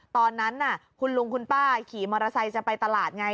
ตอนนั้นคุณลุงคุณป้าขี่มอเตอร์ไซค์จะไปตลาดไง